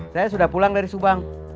saya sudah pulang dari subang